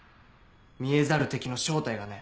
「見えざる敵」の正体がね。